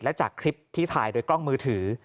และจากคลิปที่ถ่ายโดยกล้องมือถือ